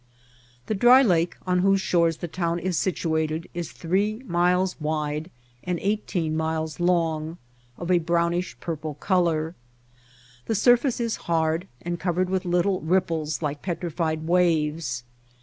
The dry lake on whose shores the town is situated is three miles wide and eighteen miles long, of a brownish purple color. The surface is hard and covered with little ripples like pet rified waves.